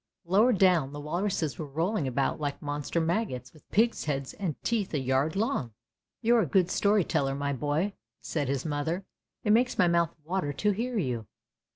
Lower down the walruses were rolling about like monster maggots with pig's heads and teeth a yard long! " 160 ANDERSEN'S FAIRY TALES 'You're a good story teller, my boy!" said his mother. " It makes my mouth water to hear you!